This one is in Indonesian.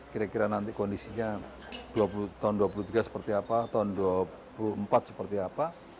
kira kira nanti kondisinya tahun dua puluh tiga seperti apa tahun dua puluh empat seperti apa